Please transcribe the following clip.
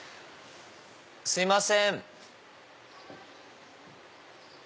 すいません。